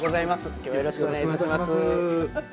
今日はよろしくお願いいたします。